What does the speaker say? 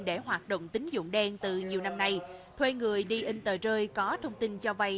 để hoạt động tính dụng đen từ nhiều năm nay thuê người đi in tờ rơi có thông tin cho vay